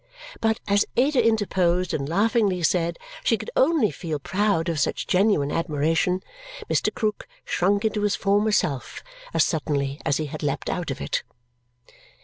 But as Ada interposed and laughingly said she could only feel proud of such genuine admiration, Mr. Krook shrunk into his former self as suddenly as he had leaped out of it.